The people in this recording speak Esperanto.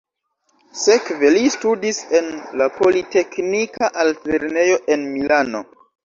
Sekve li studis en la politeknika altlernejo en Milano.